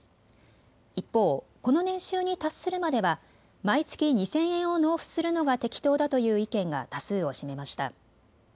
一方、この年収に達するまでは毎月２０００円を納付するのが適当だという意見が多数を占めました。